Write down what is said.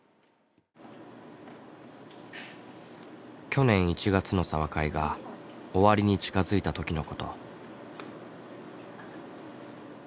去年１月の茶話会が終わりに近づいたときのこと。